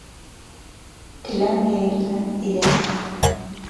Келәм йәйелгән иҙән